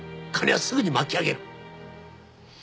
金はすぐに巻き上げる。